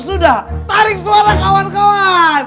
sudah tarik suara kawan kawan